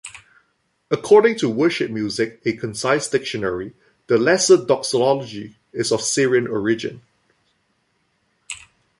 According to "Worship Music: A Concise Dictionary", the lesser doxology is of Syrian origin.